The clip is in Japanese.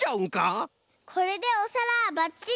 これでおさらはばっちり！